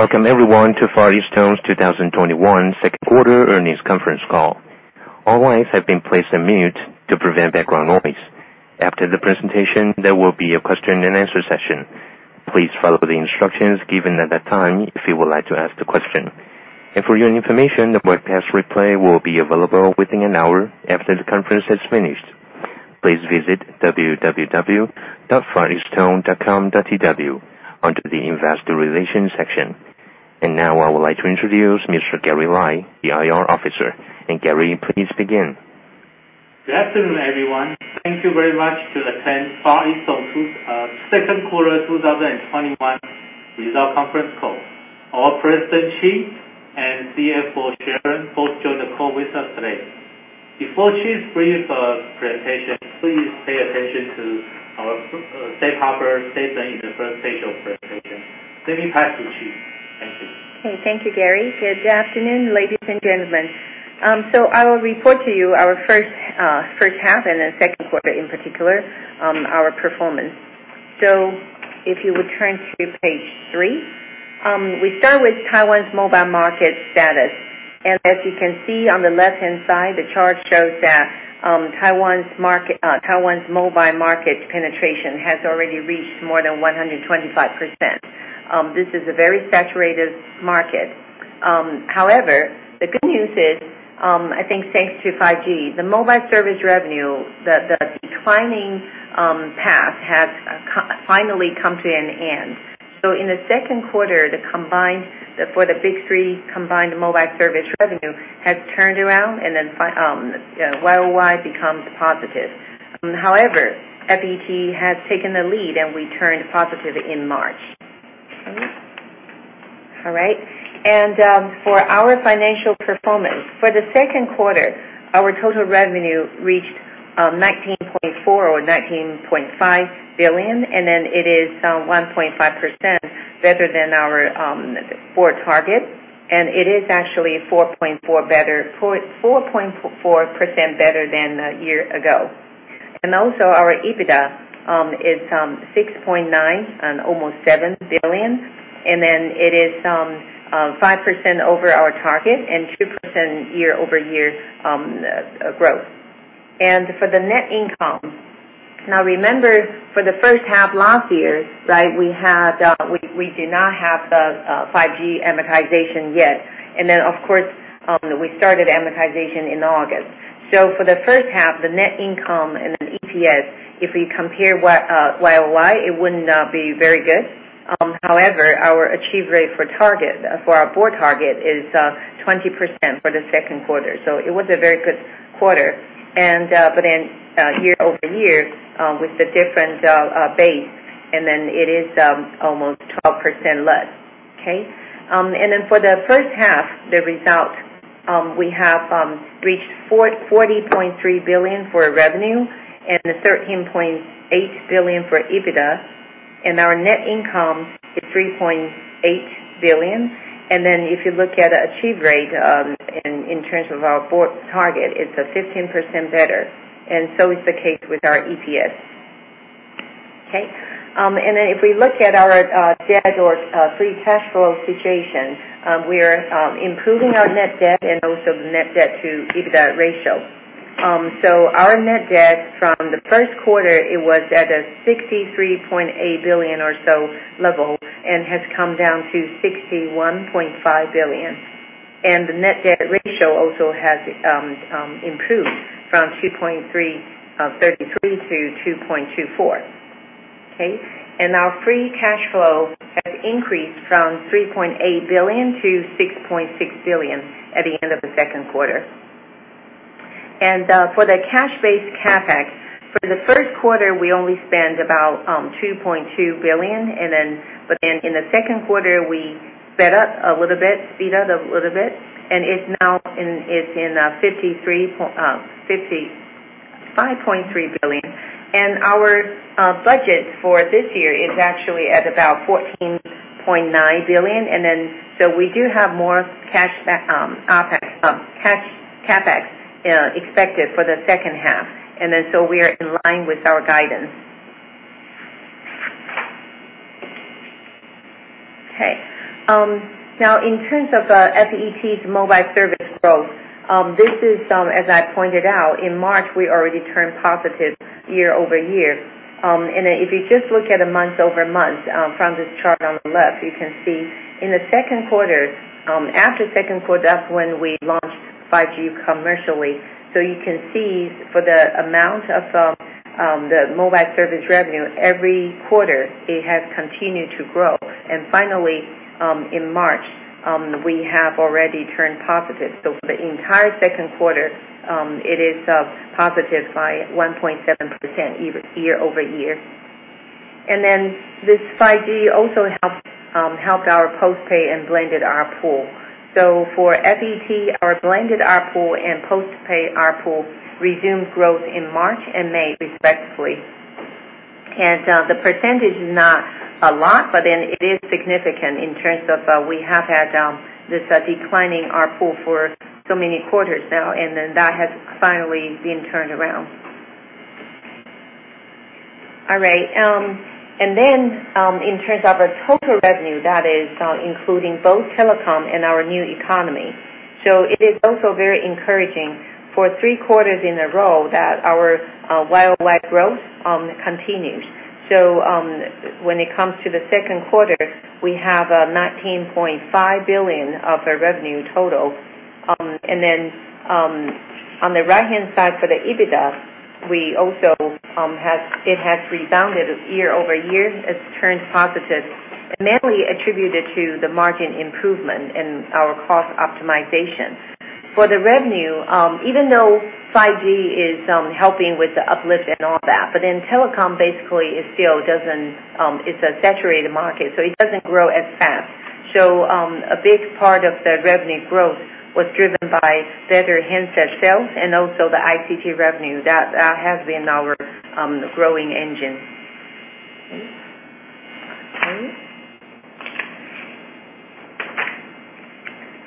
Welcome everyone to Far EasTone's 2021 second quarter earnings conference call. All lines have been placed on mute to prevent background noise. After the presentation, there will be a question and answer session. Please follow the instructions given at that time if you would like to ask the question. For your information, the webcast replay will be available within an hour after the conference has finished. Please visit www.fareastone.com.tw under the investor relations section. Now I would like to introduce Mr. Gary Lai, the IR Officer. Gary, please begin. Good afternoon, everyone. Thank you very much to attend Far EasTone second quarter 2021 results conference call. Our President, Chee Ching, and Chief Financial Officer, Sharon Lin, both join the call with us today. Before Chee Ching's brief presentation, please pay attention to our safe harbor statement in the first page of presentation. Let me pass to Chee Ching. Thank you. Okay. Thank you, Gary. Good afternoon, ladies and gentlemen. I will report to you our first half, and then second quarter in particular, our performance. If you would turn to page three, we start with Taiwan's mobile market status. As you can see on the left-hand side, the chart shows that Taiwan's mobile market penetration has already reached more than 125%. This is a very saturated market. However, the good news is, I think, thanks to 5G, the mobile service revenue, the declining path has finally come to an end. In the second quarter, for the big three, combined mobile service revenue has turned around and then Y-o-Y becomes positive. However, FET has taken the lead, and we turned positive in March. All right. For our financial performance, for the second quarter, our total revenue reached 19.4 billion or 19.5 billion, it is 1.5% better than our board target. It is actually 4.4% better than a year ago. Also, our EBITDA is 6.9 billion and almost 7 billion, it is 5% over our target and 2% year-over-year growth. For the net income, now remember for the first half last year, we did not have the 5G amortization yet. Of course, we started amortization in August. For the first half, the net income EPS, if we compare Y-o-Y, it would not be very good. However, our achieve rate for our board target is 20% for the second quarter, so it was a very good quarter. Year-over-year, with the different base, it is almost 12% less. Okay. For the first half, the results, we have reached 40.3 billion for revenue and 13.8 billion for EBITDA, and our net income is 3.8 billion. If you look at achieve rate in terms of our board target, it's 15% better, so is the case with our EPS. Okay. If we look at our debt or free cash flow situation, we are improving our net debt and also the net debt to EBITDA ratio. Our net debt from the first quarter, it was at a 63.8 billion or so level and has come down to 61.5 billion. The net debt ratio also has improved from 2.33 to 2.24. Okay. Our free cash flow has increased from 3.8 billion to 6.6 billion at the end of the second quarter. For the cash-based CapEx, for the first quarter, we only spend about 2.2 billion, but then in the second quarter, we sped up a little bit, and it's now in TWD 5.3 billion. Our budget for this year is actually at about 14.9 billion. We do have more CapEx expected for the second half, and then so we are in line with our guidance. Okay. Now in terms of FET's mobile service growth, as I pointed out, in March, we already turned positive year-over-year. If you just look at a month-over-month from this chart on the left, you can see in the second quarter, after second quarter, that's when we launched 5G commercially. You can see for the amount of the mobile service revenue, every quarter it has continued to grow. Finally, in March, we have already turned positive. For the entire second quarter, it is positive by 1.7% year-over-year. This 5G also helped our post-pay and blended ARPU. For FET, our blended ARPU and post-pay ARPU resumed growth in March and May, respectively. The percentage is not a lot, but it is significant in terms of we have had this declining ARPU for so many quarters now, and that has finally been turned around. All right. In terms of our total revenue, that is including both telecom and our new economy. It is also very encouraging for three quarters in a row that our Y-o-Y growth continues. When it comes to the second quarter, we have 19.5 billion of the revenue total. On the right-hand side for the EBITDA, it has rebounded year-over-year. It's turned positive, and mainly attributed to the margin improvement in our cost optimization. For the revenue, even though 5G is helping with the uplift and all that, but in telecom basically, it's a saturated market, so it doesn't grow as fast. A big part of the revenue growth was driven by better handset sales and also the ICT revenue. That has been our growing engine.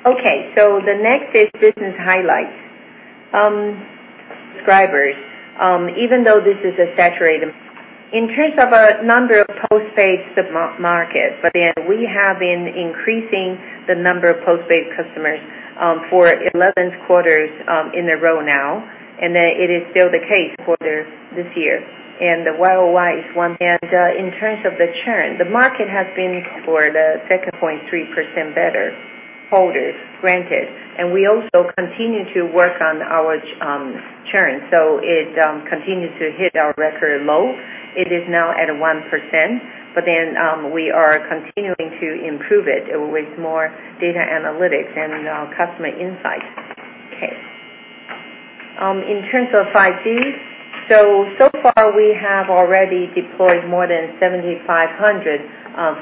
Okay. The next is business highlights. Subscribers. Even though this is saturated in terms of a number of postpaid sub-markets, but then we have been increasing the number of postpaid customers for 11 quarters in a row now, and then it is still the case quarter this year, and the Year-over-Year is one. In terms of the churn, the market has been for the 2.3% better. Holders granted, and we also continue to work on our churn. It continued to hit our record low. It is now at 1%, but then we are continuing to improve it with more data analytics and our customer insights. Okay. In terms of 5G, so far we have already deployed more than 7,500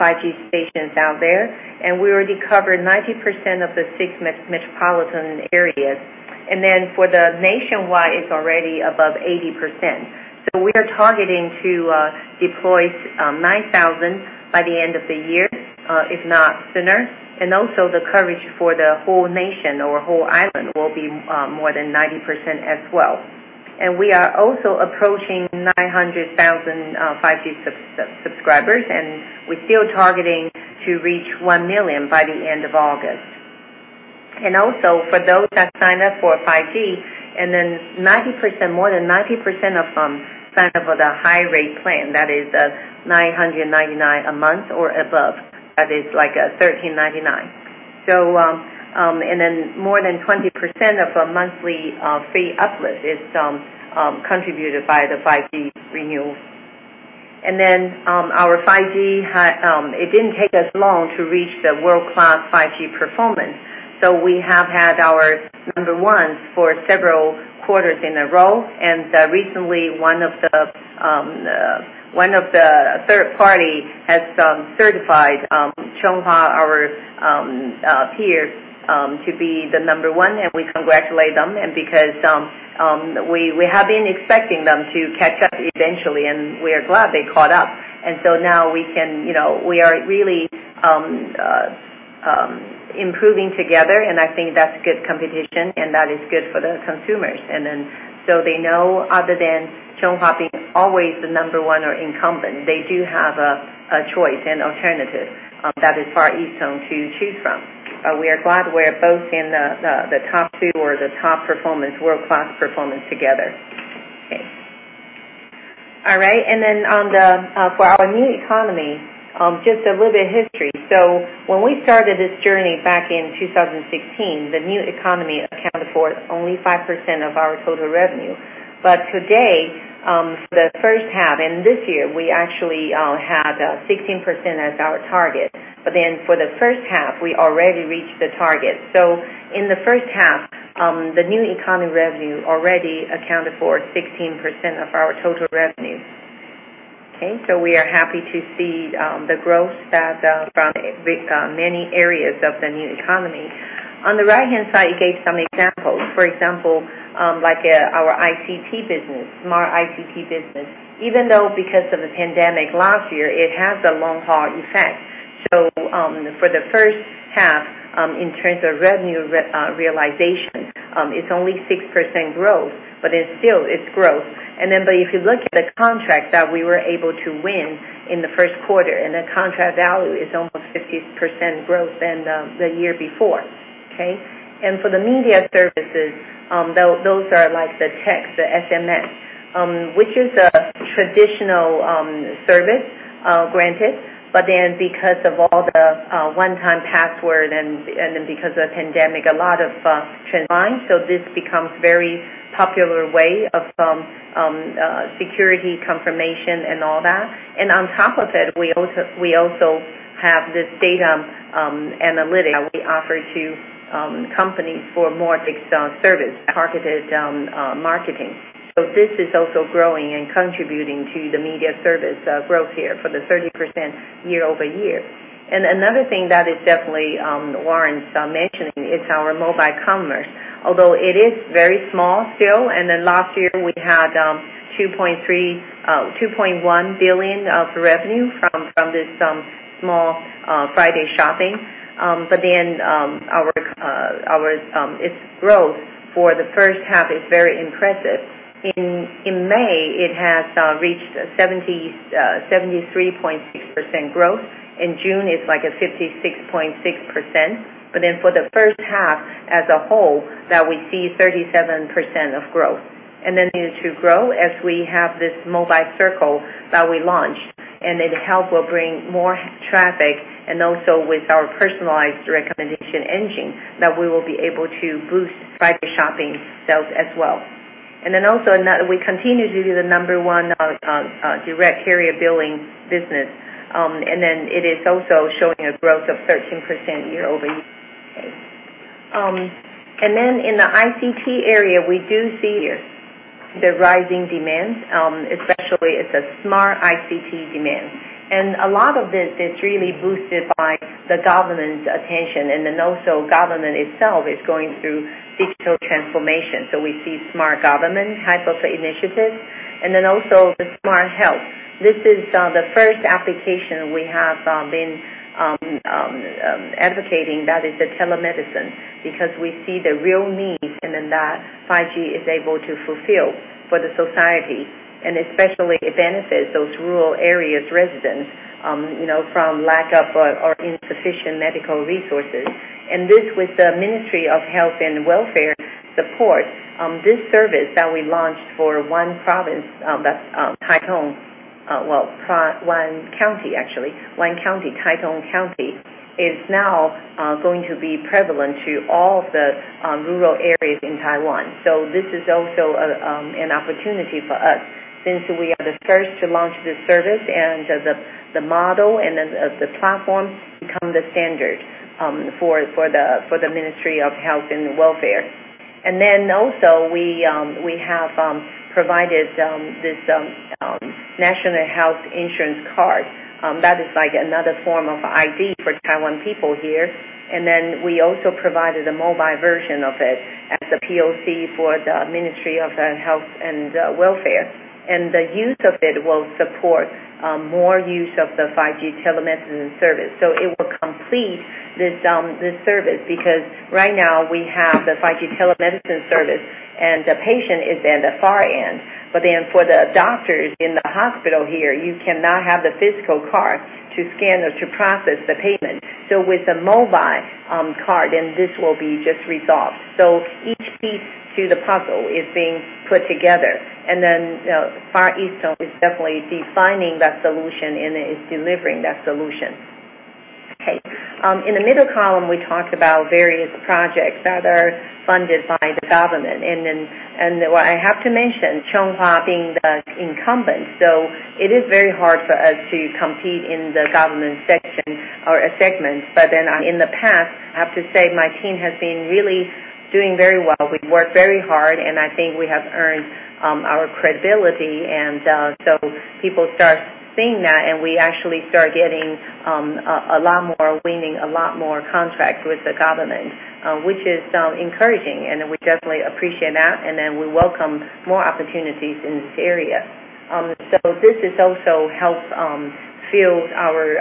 5G stations out there, and we already covered 90% of the six metropolitan areas. For the nationwide, it's already above 80%. We are targeting to deploy 9,000 by the end of the year if not sooner. Also the coverage for the whole nation or whole island will be more than 90% as well. We are also approaching 900,000 5G subscribers, and we're still targeting to reach one million by the end of August. For those that sign up for 5G, more than 90% of them sign up for the high rate plan, 999 a month or above. 1,399. More than 20% of a monthly fee uplift is contributed by the 5G renewal. Our 5G, it didn't take us long to reach the world-class 5G performance. We have had our number one for several quarters in a row, recently one of the third party has certified Chunghwa, our peers, to be the number one, we congratulate them, because we have been expecting them to catch up eventually, we are glad they caught up. Now we are really improving together, I think that's good competition, that is good for the consumers. They know other than Chunghwa being always the number one or incumbent, they do have a choice and alternative. That is Far EasTone to choose from. We are glad we're both in the top two or the top performance, world-class performance together. Okay. All right. For our new economy, just a little bit of history. When we started this journey back in 2016, the new economy accounted for only 5% of our total revenue. Today, for the first half and this year, we actually had 16% as our target. For the first half, we already reached the target. In the first half, the new economy revenue already accounted for 16% of our total revenue. Okay. We are happy to see the growth from many areas of the new economy. On the right-hand side, it gave some examples. For example, like our ICT business, smart ICT business. Even though because of the pandemic last year, it has a long haul effect. For the first half, in terms of revenue realization, it's only 6% growth, but it still, it's growth. If you look at the contract that we were able to win in the first quarter, and the contract value is almost 50% growth than the year before. Okay? For the media services, those are like the text, the SMS, which is a traditional service, granted, but then because of all the one-time password and then because of the pandemic, a lot of trends online. This becomes very popular way of security confirmation and all that. On top of it, we also have this data analytics that we offer to companies for more mixed service, targeted marketing. This is also growing and contributing to the media service growth here for the 30% year-over-year. Another thing that is definitely warrants mentioning is our mobile commerce. Although it is very small still, last year we had 2.1 billion of revenue from this small friDay Shopping. Its growth for the first half is very impressive. In May, it has reached 73.6% growth. In June, it's like a 56.6%. For the first half as a whole, that we see 37% of growth. Continue to grow as we have this FET Mobile Circle that we launched. It help will bring more traffic, and also with our personalized recommendation engine, that we will be able to boost friDay Shopping sales as well. Also, we continue to be the number one direct carrier billing business. It is also showing a growth of 13% year-over-year. Okay. In the ICT area, we do see here the rising demands, especially as a smart ICT demand. A lot of it is really boosted by the government's attention. Government itself is going through digital transformation. We see smart government type of initiatives, and then also the smart health. This is the first application we have been advocating, that is the telemedicine, because we see the real need, and then that 5G is able to fulfill for the society. Especially it benefits those rural areas residents from lack of or insufficient medical resources. This, with the Ministry of Health and Welfare support, this service that we launched for one province, that's Taitung. Well, one county, actually. One county, Taitung County, is now going to be prevalent to all of the rural areas in Taiwan. This is also an opportunity for us since we are the first to launch this service, and the model and the platform become the standard for the Ministry of Health and Welfare. Also, we have provided this National Health Insurance Card. That is like another form of ID for Taiwan people here. We also provided a mobile version of it as a POC for the Ministry of Health and Welfare. The use of it will support more use of the 5G telemedicine service. It will complete this service because right now we have the 5G telemedicine service, and the patient is at the far end. For the doctors in the hospital here, you cannot have the physical card to scan or to process the payment. With the mobile card, this will be just resolved. Each piece to the puzzle is being put together. Far EasTone is definitely defining that solution and is delivering that solution. Okay. In the middle column, we talked about various projects that are funded by the government. What I have to mention, Chunghwa being the incumbent, it is very hard for us to compete in the government section or segments. In the past, I have to say my team has been really doing very well. We've worked very hard, and I think we have earned our credibility. People start seeing that, we actually start getting a lot more, winning a lot more contracts with the government, which is encouraging, and we definitely appreciate that. We welcome more opportunities in this area. This has also helped fuel our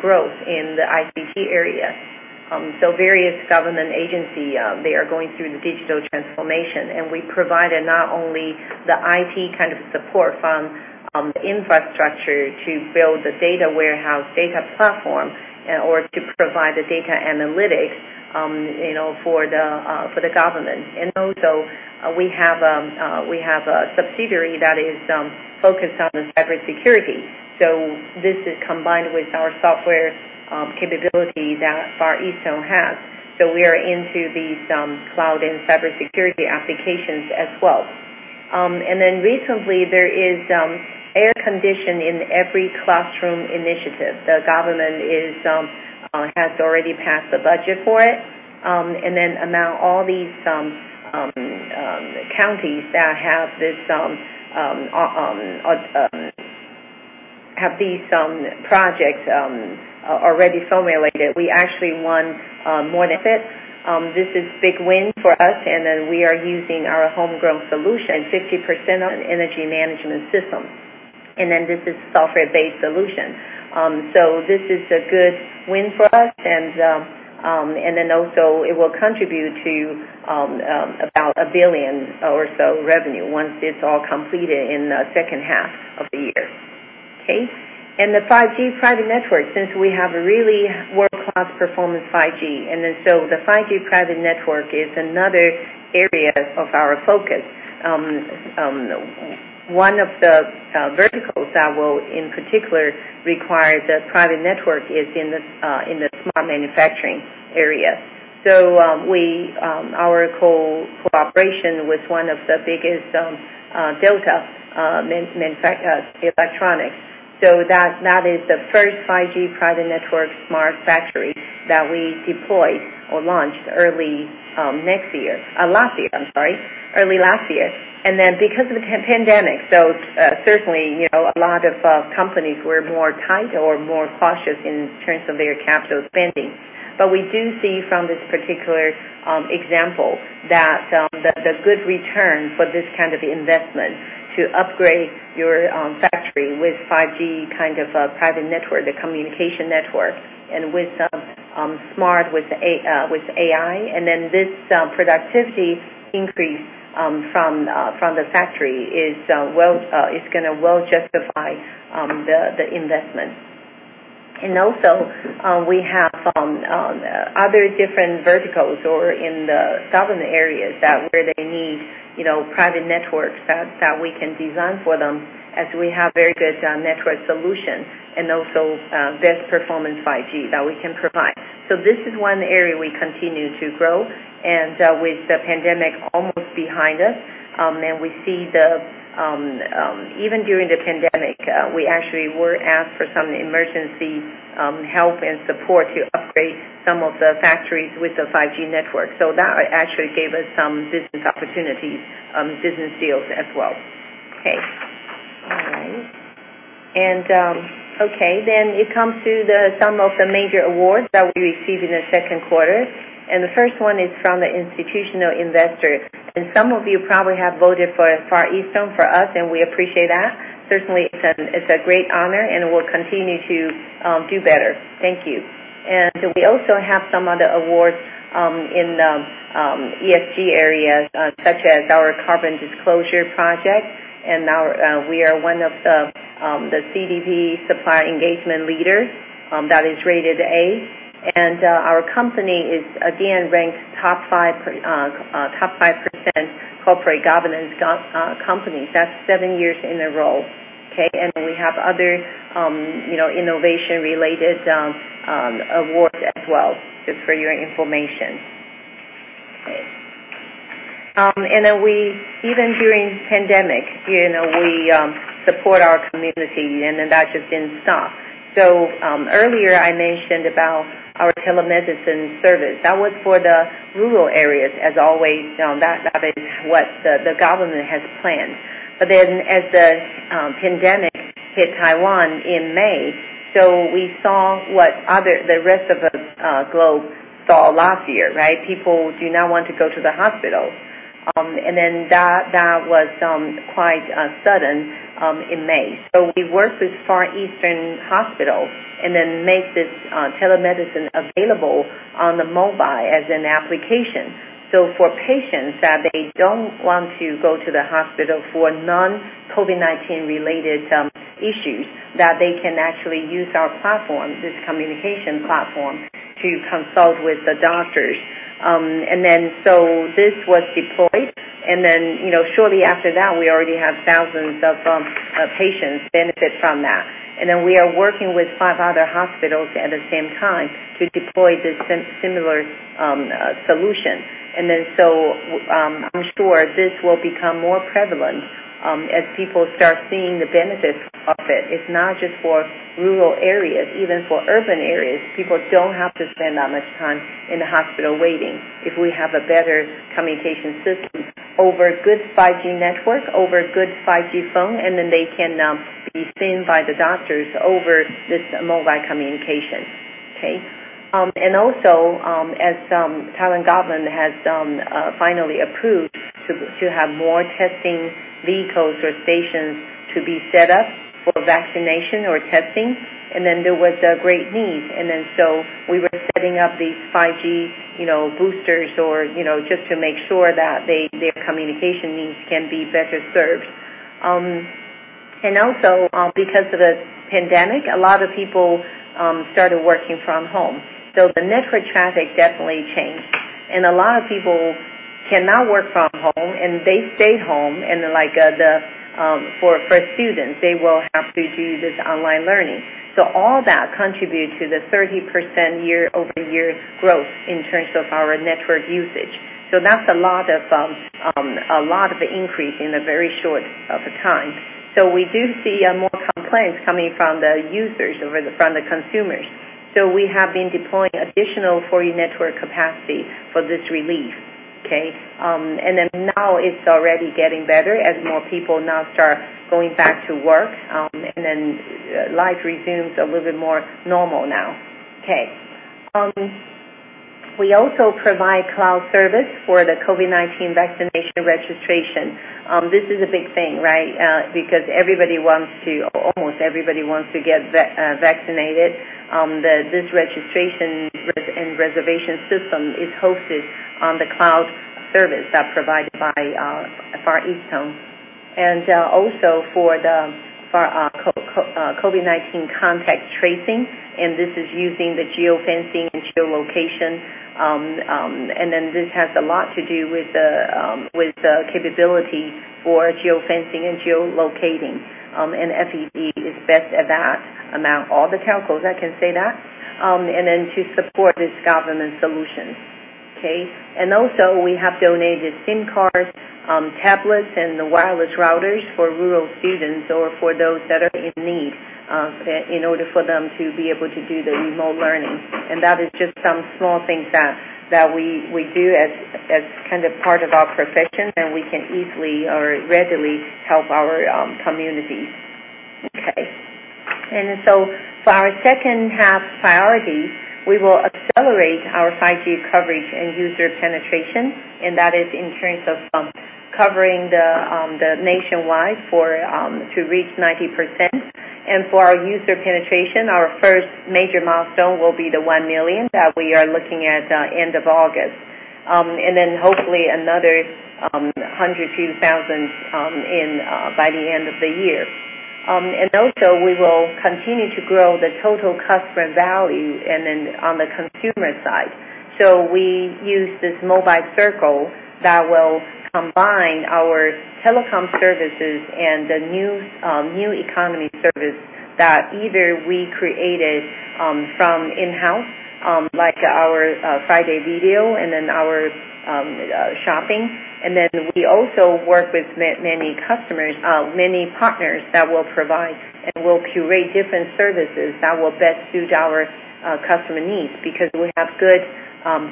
growth in the ICT area. Various government agency, they are going through the digital transformation, and we provided not only the IT kind of support from infrastructure to build the data warehouse, data platform, or to provide the data analytics for the government. Also, we have a subsidiary that is focused on cybersecurity. This is combined with our software capability that Far EasTone has. We are into these cloud and cybersecurity applications as well. Recently, there is Air Condition in Every Classroom Initiative. The government has already passed the budget for it. Among all these counties that have these projects already formulated, we actually won more than half. This is big win for us, and then we are using our homegrown solution, 50% on energy management system. This is software-based solution. This is a good win for us, and then also it will contribute to about 1 billion or so revenue once it's all completed in the second half of the year. Okay. The 5G private network, since we have a really world-class performance 5G. The 5G private network is another area of our focus. One of the verticals that will, in particular, require the private network is in the smart manufacturing area. Our cooperation with one of the biggest, Delta Electronics. That is the first 5G private network smart factory that we deployed or launched early next year. Last year, I'm sorry. Early last year. Because of the pandemic, certainly, a lot of companies were more tight or more cautious in terms of their capital spending. We do see from this particular example that the good return for this kind of investment to upgrade your factory with 5G private network, the communication network, and with smart, with AI. This productivity increase from the factory is going to well justify the investment. Also, we have other different verticals in the southern areas where they need private networks that we can design for them, as we have very good network solutions and also best performance 5G that we can provide. This is one area we continue to grow, and with the pandemic almost behind us. Even during the pandemic, we actually were asked for some emergency help and support to upgrade some of the factories with the 5G network. That actually gave us some business opportunities, business deals as well. Okay. All right. It comes to some of the major awards that we received in the second quarter. The first one is from the institutional investor. Some of you probably have voted for Far EasTone, for us, and we appreciate that. Certainly, it's a great honor, and we'll continue to do better. Thank you. We also have some other awards in the ESG area, such as our Carbon Disclosure Project. We are one of the CDP supply engagement leaders that is rated A. Our company is again ranked top 5% corporate governance company. That's seven years in a row. Okay. We have other innovation-related awards as well, just for your information. Okay. Even during pandemic, we support our community, that just didn't stop. Earlier, I mentioned about our telemedicine service. That was for the rural areas. As always, that is what the government has planned. As the pandemic hit Taiwan in May, we saw what the rest of the globe saw last year. People do not want to go to the hospital. That was quite sudden in May. We worked with Far Eastern Memorial Hospital made this telemedicine available on the mobile as an application. For patients that they don't want to go to the hospital for non-COVID-19 related issues, that they can actually use our platform, this communication platform, to consult with the doctors. This was deployed, shortly after that, we already have thousands of patients benefit from that. We are working with five other hospitals at the same time to deploy this similar solution. I'm sure this will become more prevalent as people start seeing the benefits of it. It's not just for rural areas, even for urban areas. People don't have to spend that much time in the hospital waiting if we have a better communication system over good 5G network, over good 5G phone, they can be seen by the doctors over this mobile communication. Okay. As Taiwan government has finally approved to have more testing vehicles or stations to be set up for vaccination or testing, there was a great need. We were setting up these 5G boosters just to make sure that their communication needs can be better served. Also, because of the pandemic, a lot of people started working from home. The network traffic definitely changed, and a lot of people can now work from home, and they stayed home. For students, they will have to do this online learning. All that contribute to the 30% year-over-year growth in terms of our network usage. That's a lot of increase in a very short of a time. We do see more complaints coming from the users, from the consumers. We have been deploying additional 4G network capacity for this relief. Okay? Now it's already getting better as more people now start going back to work, and then life resumes a little bit more normal now. Okay. We also provide cloud service for the COVID-19 vaccination registration. This is a big thing. Almost everybody wants to get vaccinated. This registration and reservation system is hosted on the cloud service that provided by Far EasTone. For our COVID-19 contact tracing, this is using the geofencing and geolocation. This has a lot to do with the capability for geofencing and geolocating, FET is best at that among all the telcos, I can say that. To support this government solution. Okay. We have donated SIM cards, tablets, and the wireless routers for rural students or for those that are in need in order for them to be able to do the remote learning. That is just some small things that we do as part of our profession, we can easily or readily help our community. Okay. For our second half priority, we will accelerate our 5G coverage and user penetration, and that is in terms of covering the nationwide to reach 90%. For our user penetration, our first major milestone will be the one million that we are looking at end of August. Hopefully another hundred few thousand by the end of the year. Also, we will continue to grow the total customer value on the consumer side. We use this FET Mobile Circle that will combine our telecom services and the new economy service that either we created from in-house, like our friDay Video, our friDay Shopping. We also work with many partners that will provide and will curate different services that will best suit our customer needs because we have good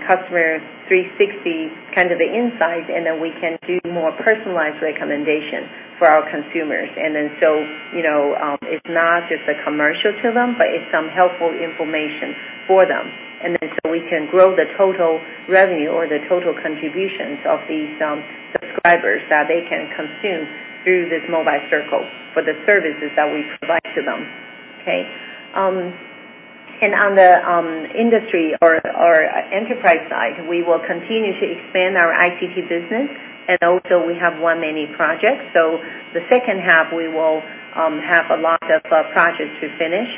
customer 360 insight, we can do more personalized recommendation for our consumers. Then, it's not just a commercial to them, but it's some helpful information for them. Then so we can grow the total revenue or the total contributions of these subscribers that they can consume through this FET Mobile Circle for the services that we provide to them. Okay. On the industry or enterprise side, we will continue to expand our ICT business, also we have won many projects. The second half, we will have a lot of projects to finish.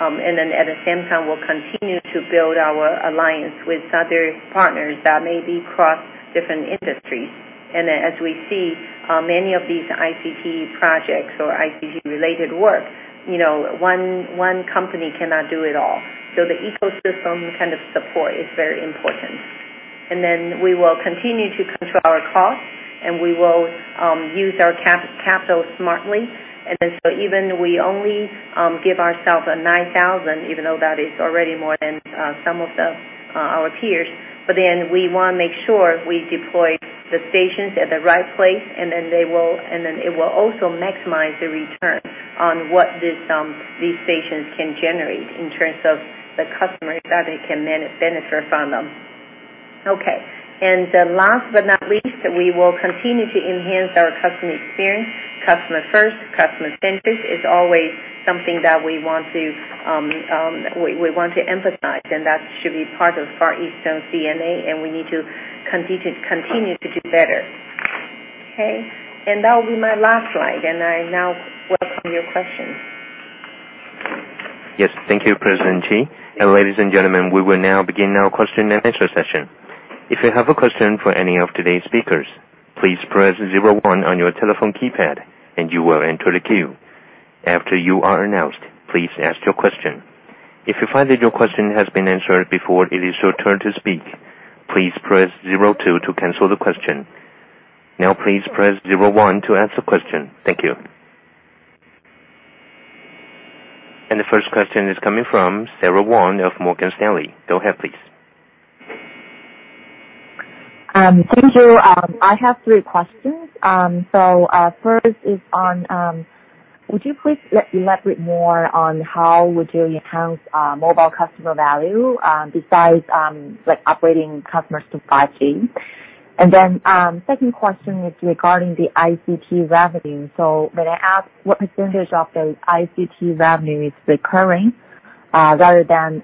Then at the same time, we'll continue to build our alliance with other partners that may be across different industries. As we see, many of these ICT projects or ICT-related work, one company cannot do it all. The ecosystem support is very important. Then we will continue to control our cost, and we will use our capital smartly. Even we only give ourselves a 9,000, even though that is already more than some of our peers, we want to make sure we deploy the stations at the right place, it will also maximize the return on what these stations can generate in terms of the customers that they can benefit from them. Okay. Last but not least, we will continue to enhance our customer experience. Customer first, customer centric is always something that we want to emphasize, and that should be part of Far EasTone DNA, and we need to continue to do better. Okay. That will be my last slide, and I now welcome your questions. Yes. Thank you, President Chee Ching. Ladies and gentlemen, we will now begin our question and answer session. If you have a question for any of today's speakers, please press 01 on your telephone keypad, and you will enter the queue. After you are announced, please ask your question. If you find that your question has been answered before it is your turn to speak, please press 02 to cancel the question. Now, please press 01 to ask a question. Thank you. The first question is coming from Sara Wang of Morgan Stanley. Go ahead, please. Thank you. I have three questions. First, would you please elaborate more on how would you enhance mobile customer value besides upgrading customers to 5G? Second question is regarding the ICT revenue. May I ask what percentage of the ICT revenue is recurring rather than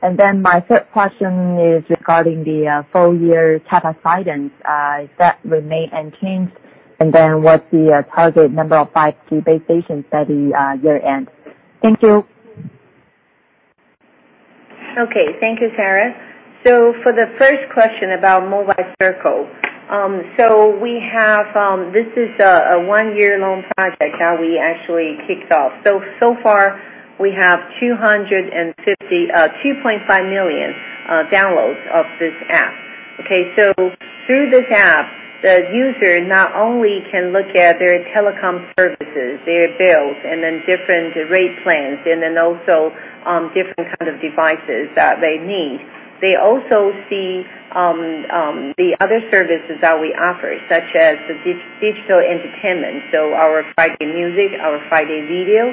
project-based? My third question is regarding the full year CapEx guidance. Is that remain unchanged? What's the target number of 5G base stations by the year-end? Thank you. Thank you, Sara. For the first question about FET Mobile Circle. This is a one-year loan project that we actually kicked off. So far we have 2.5 million downloads of this app. Through this app, the user not only can look at their telecom services, their bills, and then different rate plans, and then also different kind of devices that they need. They also see the other services that we offer, such as the digital entertainment, so our friDay Music, our friDay Video.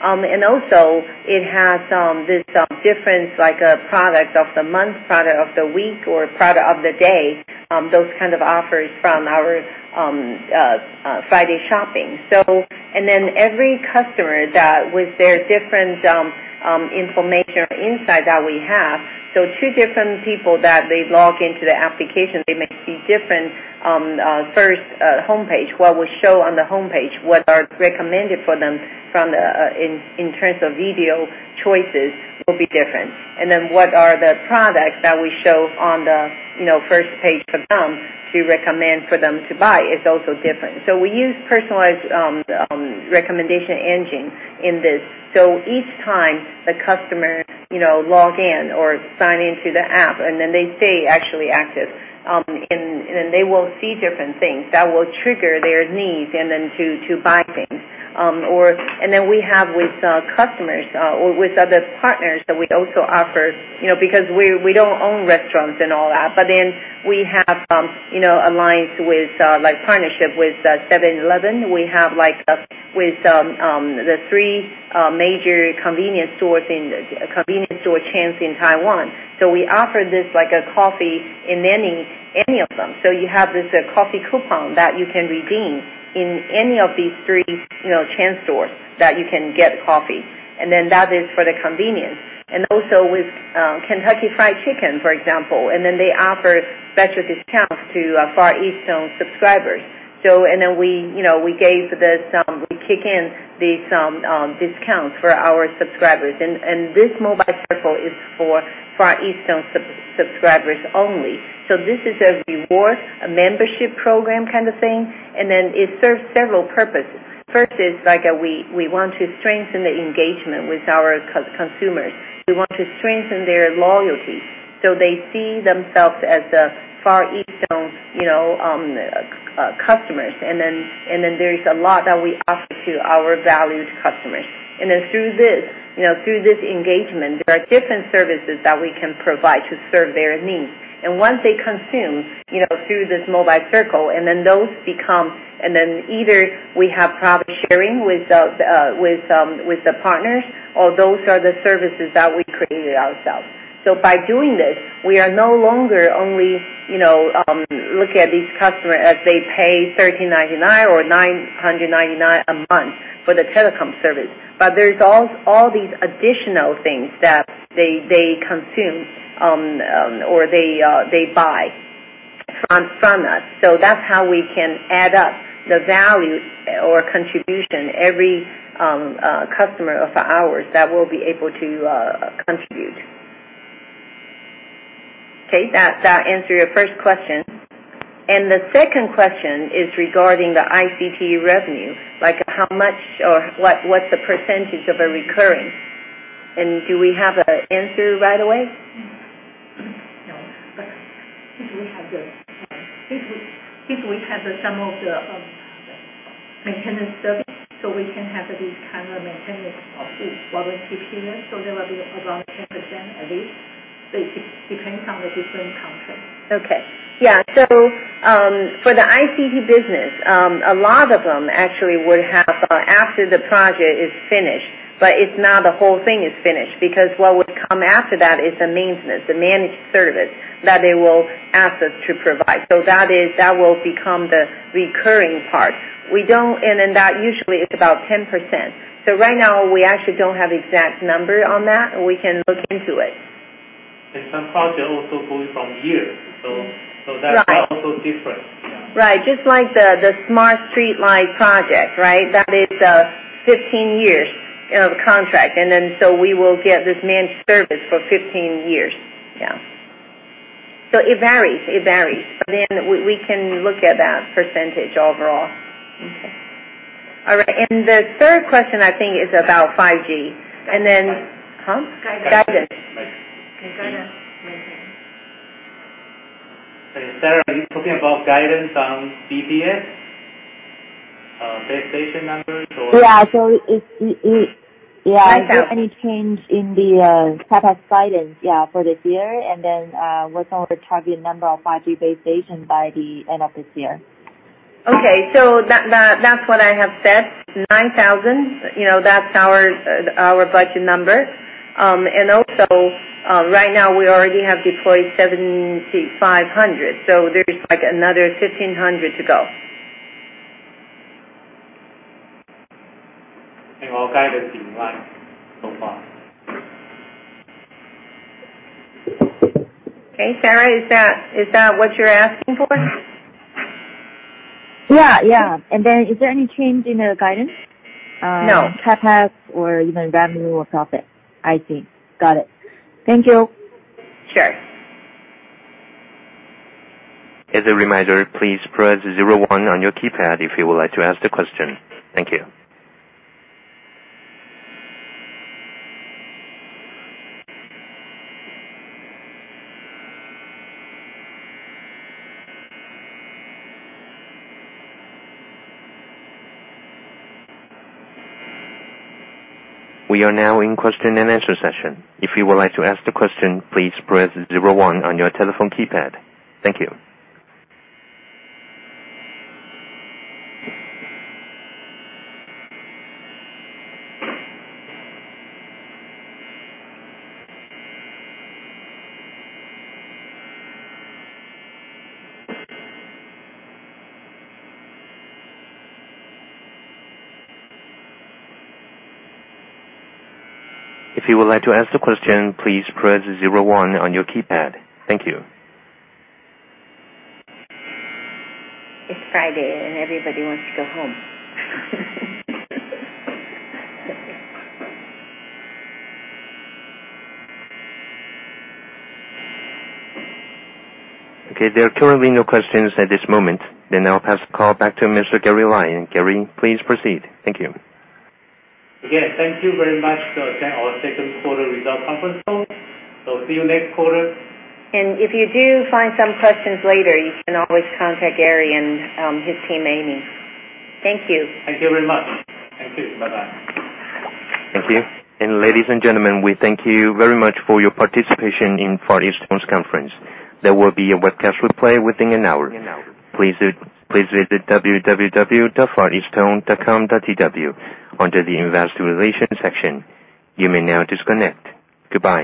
Also it has this difference, like a product of the month, product of the week, or product of the day, those kind of offers from our friDay Shopping. Every customer that with their different information or insight that we have, so two different people that they log into the application, they may see different first homepage. What will show on the homepage, what are recommended for them in terms of video choices will be different. What are the products that we show on the first page for them to recommend for them to buy is also different. We use personalized recommendation engine in this. Each time the customer log in or sign into the app, and then they stay actually active, and then they will see different things that will trigger their needs and then to buy things. We have with customers or with other partners that we also offer, because we don't own restaurants and all that, but then we have alliance with, like partnership with 7-Eleven. We have with the three major convenience store chains in Taiwan. We offer this coffee in any of them. You have this coffee coupon that you can redeem in any of these three chain stores that you can get coffee. That is for the convenience. Also with Kentucky Fried Chicken, for example. They offer special discounts to Far EasTone subscribers. We kick in these discounts for our subscribers. This FET Mobile Circle is for Far EasTone subscribers only. This is a reward, a membership program kind of thing. It serves several purposes. First is we want to strengthen the engagement with our consumers. We want to strengthen their loyalty so they see themselves as a Far EasTone customer. There is a lot that we offer to our valued customers. Through this engagement, there are different services that we can provide to serve their needs. Once they consume through this FET Mobile Circle, those become, either we have profit sharing with the partners, or those are the services that we created ourselves. By doing this, we are no longer only looking at these customers as they pay 1,399 or 999 a month for the telecom service. There's all these additional things that they consume or they buy from us. That's how we can add up the value or contribution every customer of ours that will be able to contribute. Okay. Does that answer your first question? The second question is regarding the ICT revenue, how much or what's the percentage of recurring? Do we have an answer right away? I think we have some of the maintenance service, so we can have this kind of maintenance of the warranty period, so there will be around 10% at least. It depends on the different contracts. Okay. Yeah. For the ICT business, a lot of them actually would have after the project is finished, but it's not the whole thing is finished, because what would come after that is the maintenance, the managed service, that they will ask us to provide. That will become the recurring part. That usually is about 10%. Right now, we actually don't have exact number on that. We can look into it. Some projects are also going from here. Right. That is also different. Right. Just like the smart streetlight project. That is 15 years of contract, and then so we will get this managed service for 15 years. Yeah. It varies. We can look at that percentage overall. Okay. All right. The third question, I think is about 5G. Guidance. Huh? Guidance. Guidance. Okay, go ahead. Okay. Sara, are you talking about guidance on DPS? Base station numbers or- Is there any change in the CapEx guidance for this year, and then what's our target number of 5G base stations by the end of this year? Okay. That's what I have said, 9,000. That's our budget number. Also, right now, we already have deployed 7,500. There's another 1,500 to go. Our guidance in line so far. Okay. Sara, is that what you're asking for? Yeah. Is there any change in the guidance? No. CapEx or even revenue or profit, I think. Got it. Thank you. Sure. As a reminder, please press 01 on your keypad if you would like to ask the question. Thank you. We are now in question and answer session. If you would like to ask the question, please press 01 on your telephone keypad. Thank you. If you would like to ask the question, please press zero one on your keypad. Thank you. It's Friday and everybody wants to go home. Okay. There are currently no questions at this moment. I'll pass the call back to Mr. Gary Lai. Gary, please proceed. Thank you. Again, thank you very much. That's our second quarter result conference call. See you next quarter. If you do find some questions later, you can always contact Gary and his team, Amy. Thank you. Thank you very much. Thank you. Bye-bye. Thank you. Ladies and gentlemen, we thank you very much for your participation in Far EasTone's conference. There will be a webcast replay within an hour. Please visit www.fareastone.com.tw under the investor relations section. You may now disconnect. Goodbye.